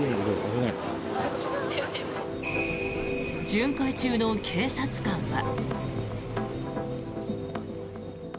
巡回中の警察官は。